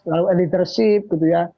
lalu leadership gitu ya